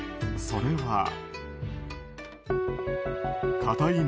それは。